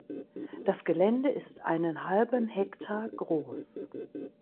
Das Gelände ist einen halben Hektar groß.